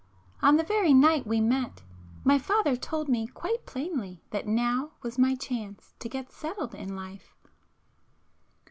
On the very night we met, my father told me quite plainly that now was my chance to get 'settled' in life.